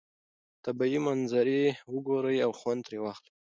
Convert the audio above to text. طبیعي منظرې وګورئ او خوند ترې واخلئ.